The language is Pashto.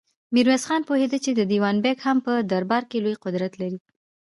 ميرويس خان پوهېده چې دېوان بېګ هم په دربار کې لوی قدرت لري.